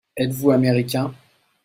Êtes-vous Américain ?